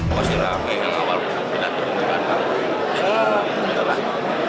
kepala ketua umum yang awal tidak terdekat